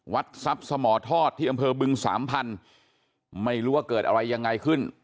วัดทรัพย์สมทอดที่อำเภอบึงสามพันธุ์ไม่รู้ว่าเกิดอะไรยังไงขึ้น